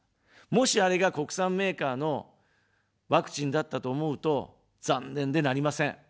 もし、あれが国産メーカーのワクチンだったと思うと残念でなりません。